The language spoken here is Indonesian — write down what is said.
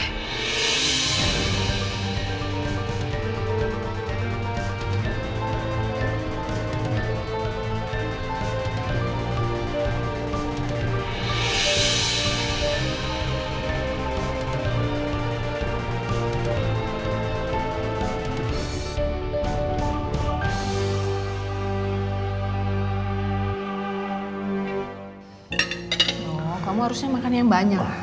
loh kamu harusnya makan yang banyak